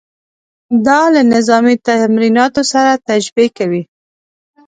دا له نظامي تمریناتو سره تشبیه کوي.